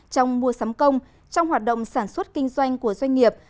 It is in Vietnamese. trong mua sắm công trong hoạt động sản xuất kinh doanh của doanh nghiệp